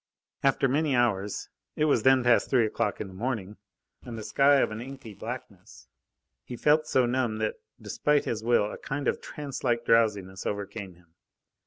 After many hours it was then past three o'clock in the morning, and the sky of an inky blackness he felt so numb that despite his will a kind of trance like drowsiness overcame him.